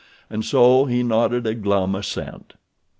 And so he nodded a glum assent.